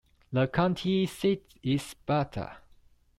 The county seat is Sparta.